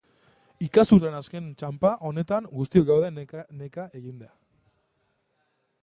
Ikasturtearen azken txanpa honetan, guztiok gaude neka-neka eginda.